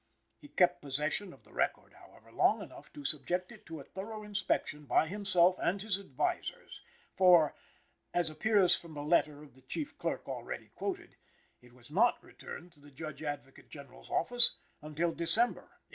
He kept possession of the record, however, long enough to subject it to a thorough inspection by himself and his advisers, for (as appears from the letter of the chief clerk already quoted) it was not returned to the Judge Advocate General's office until December, 1867.